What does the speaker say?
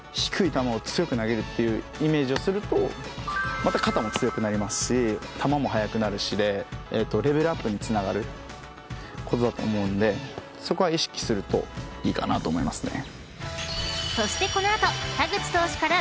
また肩も強くなりますし球も速くなるしでレベルアップにつながることだと思うんでそこは意識するといいかなと思いますね。